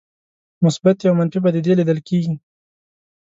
مثبتې او منفي پدیدې لیدل کېږي.